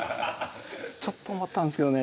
ちょっと思ったんですけどね